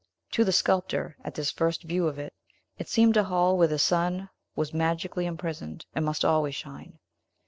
To the sculptor, at this first View of it, it seemed a hall where the sun was magically imprisoned, and must always shine.